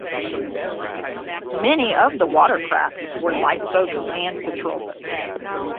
Many of the watercraft were lifeboats and patrol boats.